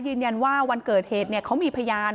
ยืนยันว่าวันเกิดเหตุเขามีพยาน